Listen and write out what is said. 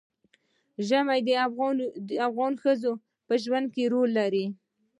ژمی د افغان ښځو په ژوند کې رول لري.